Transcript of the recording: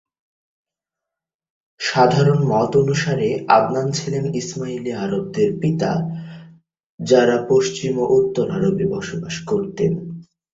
সাধারণ মত অনুসারে, আদনান ছিলেন ইসমাইলি আরবদের পিতা যারা পশ্চিম ও উত্তর আরবে বসবাস করতেন।